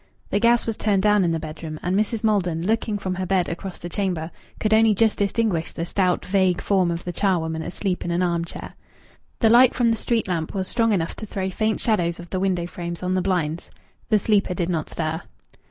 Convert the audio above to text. The gas was turned down in the bedroom, and Mrs. Maldon, looking from her bed across the chamber, could only just distinguish the stout, vague form of the charwoman asleep in an arm chair. The light from the street lamp was strong enough to throw faint shadows of the window frames on the blinds. The sleeper did not stir.